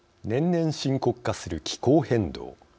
年々深刻化する気候変動。